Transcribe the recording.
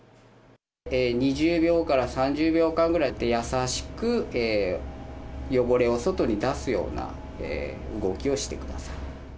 ２０秒から３０秒間ぐらい、優しく汚れを外に出すような動きをしてください。